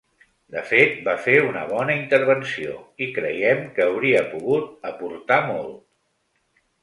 De fet, va fer una bona intervenció, i creiem que hauria pogut aportar molt.